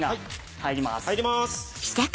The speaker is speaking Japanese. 入ります。